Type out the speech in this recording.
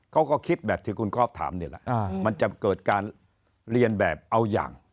เขาก็คิดแบบที่คุณก๊อฟถามนี่แหละมันจะเกิดการเรียนแบบเอาอย่าง